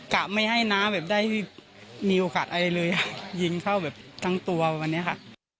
กะไม่ให้น้าแบบได้มีโอกาสอะไรเลยยิงเข้าแบบทั้งตัววันนี้ค่ะ